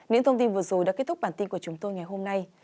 những thông tin vừa rồi đã kết thúc bản tin của chúng tôi ngày hôm nay